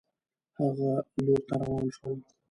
هغه لور ته روان شول.